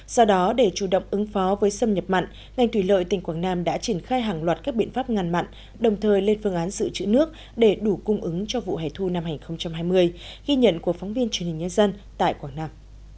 do đó để chủ động ứng phó với xâm nhập mặn ngành thủy lợi tỉnh quảng nam đã triển khai hàng loạt các biện pháp ngăn mặn đồng thời lên phương án dự trữ nước để đủ cung ứng cho vụ hẻ thu năm hai nghìn hai mươi ghi nhận của phóng viên truyền hình nhân dân tại quảng nam